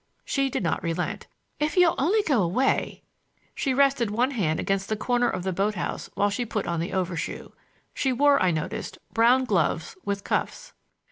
She did not relent. "If you'll only go away—" She rested one hand against the corner of the boat house while she put on the overshoe. She wore, I noticed, brown gloves with cuffs.